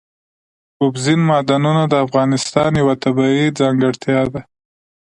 اوبزین معدنونه د افغانستان یوه طبیعي ځانګړتیا ده.